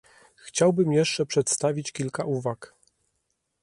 Chciałbym jeszcze przedstawić kilka uwag